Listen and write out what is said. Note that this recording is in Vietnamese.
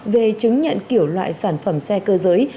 về chứng nhận kiểu loại sản phẩm xe cơ giới